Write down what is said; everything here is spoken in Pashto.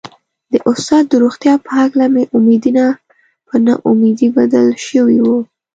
د استاد د روغتيا په هکله مې امېدونه په نا اميدي بدل شوي وو.